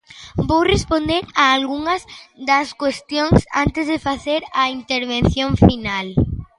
Vou responder a algunhas das cuestións antes de facer a intervención final.